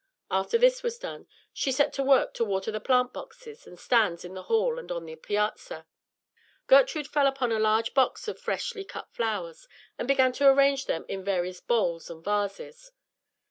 After this was done, she set to work to water the plant boxes and stands in the hall and on the piazza. Gertrude fell upon a large box of freshly cut flowers, and began to arrange them in various bowls and vases.